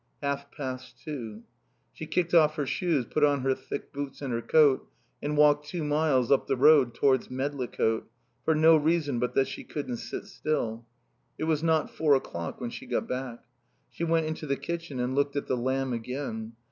Half past two. She kicked off her shoes, put on her thick boots and her coat, and walked two miles up the road towards Medlicote, for no reason but that she couldn't sit still. It was not four o'clock when she got back. She went into the kitchen and looked at the lamb again.